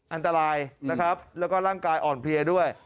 อันตรายนะครับแล้วก็ร่างกายอ่อนเพลียด้วย